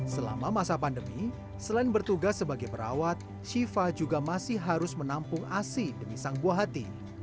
selama masa pandemi selain bertugas sebagai perawat syifa juga masih harus menampung asi demi sang buah hati